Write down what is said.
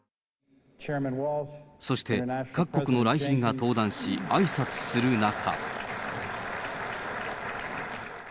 そして各国の来賓が登壇し、あいさつする中。